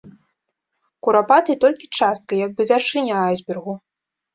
Курапаты толькі частка, як бы вяршыня айсбергу.